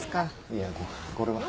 いやこれは。